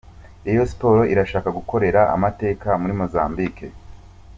Rayon Sports irashaka gukorera amateka muri Mozambike.